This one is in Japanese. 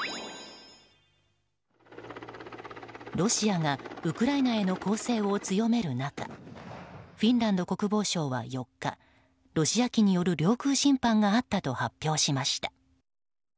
ロシアがウクライナへの攻勢を強める中フィンランド国防省は４日ロシア機による領空侵犯があったと発表しました。